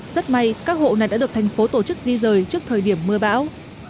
rất may các hộ này đã được thành phố tổ chức di rời trước thời điểm mưa bão